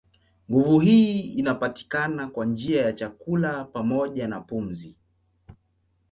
Nguvu hii inapatikana kwa njia ya chakula pamoja na pumzi.